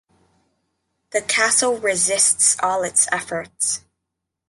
The castle resists all its efforts.